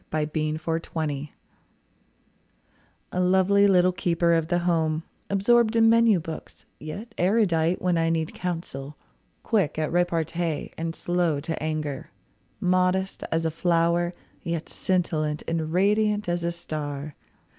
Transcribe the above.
A MAN'S IDEAL A lovely little keeper of the home, Absorbed in menu books, yet erudite When I need counsel; quick at repartee And slow to anger. Modest as a flower, Yet scintillant and radiant as a star.